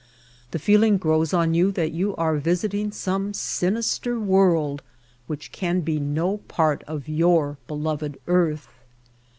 The feeling grows on you that you are visiting some sinister world which can be no part of your beloved earth.